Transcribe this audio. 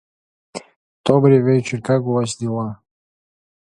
В области веб-программирования, в частности, серверной части